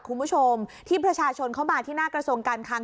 คุณผู้ชมที่ประชาชนเข้ามาที่หน้ากระทรวงการคัง